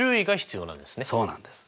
そうなんです。